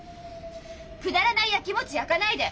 くだらないやきもちやかないで！